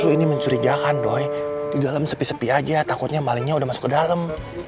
ini mencurigakan dong di dalam sepi sepi aja takutnya malingnya udah masuk ke dalam